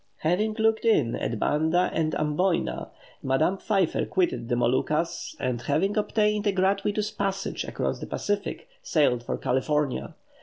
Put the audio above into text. Having "looked in" at Banda and Amboyna, Madame Pfeiffer quitted the Moluccas, and having obtained a gratuitous passage across the Pacific, sailed for California.